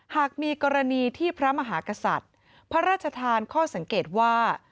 หากมีกรณีที่พระมหากษัตริย์พระราชทานข้อสังเกตว่า